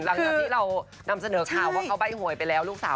รับผิดเรานำเสนอข่าวว่าเขาใบ้โหยไปแล้วลูกสาว